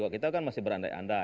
kita kan masih berande ande